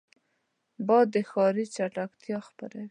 باد د ښاري چټلتیا خپروي